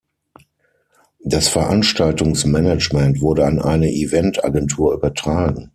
Das Veranstaltungs-Management wurde an eine Event-Agentur übertragen.